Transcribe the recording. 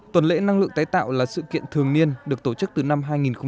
tuần lễ năng lượng tái tạo là sự kiện thường niên được tổ chức từ năm hai nghìn một mươi năm